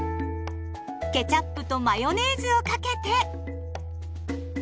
ケチャップとマヨネーズをかけて。